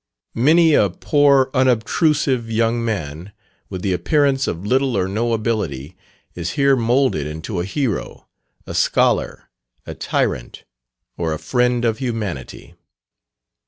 Many a poor unobtrusive young man, with the appearance of little or no ability, is here moulded into a hero, a scholar, a tyrant, or a friend of humanity.